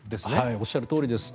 おっしゃるとおりです。